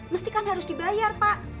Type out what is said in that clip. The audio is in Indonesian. mestikan harus dibayar